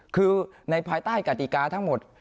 คือในภายใต้กติกาทั้งหมด